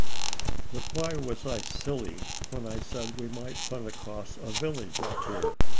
"But why was I silly when I said we might run across a village up here?"